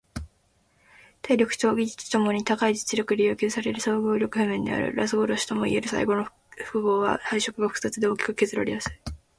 体力と技術共に高い実力で要求される総合力譜面である。ラス殺しともいえる最後の複合は配色が複雑で大きく削られやすい。